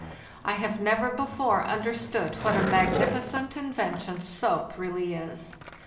I have never before understood what a magnificent invention soap really is.